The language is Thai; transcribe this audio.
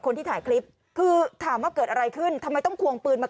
คนที่ถ่ายคลิปคือถามว่าเกิดอะไรขึ้นทำไมต้องควงปืนมา